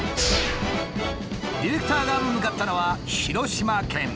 ディレクターが向かったのは広島県。